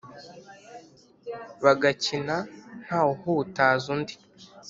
bagakina ntawuhutaza undi